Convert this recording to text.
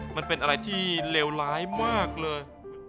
มันเป็นอะไรที่เลวร้ายมากเลย